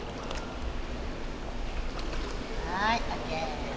はいＯＫ。